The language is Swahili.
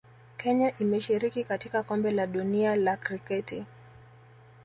Kenya imeshiriki katika Kombe la Dunia la Kriketi